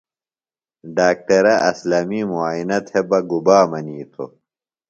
ڈاکٹرہ اسلمی مُعائنہ تھےۡ بہ گُبا منِیتوۡ؟